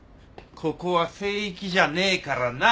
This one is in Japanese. ここは聖域じゃねえからな。